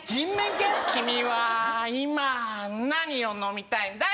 君は今何を飲みたいんだい